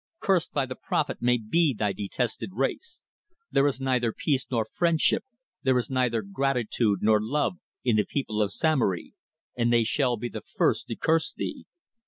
Cursed by the Prophet may be thy detested race. There is neither peace nor friendship, there is neither gratitude nor love in the people of Samory, and they shall be the first to curse thee.